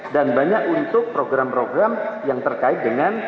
dan banyak untuk program program yang terkait dengan